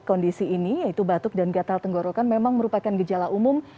kondisi ini yaitu batuk dan gatal tenggorokan memang merupakan gejala umum